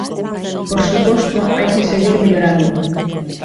Por suposto, hai que seguir mellorando.